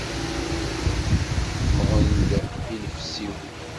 Mmɣen-d ilefsiwen.